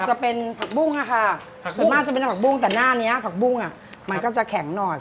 จะเป็นผักบุ้งค่ะส่วนมากจะเป็นผักบุ้งแต่หน้านี้ผักบุ้งมันก็จะแข็งหน่อย